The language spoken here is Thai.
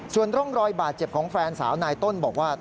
ส่วนร่องรอยบาดเจ็บของแฟนสาวนายต้นบอกว่า